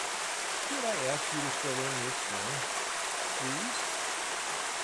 Could I ask you to fill in this form, please?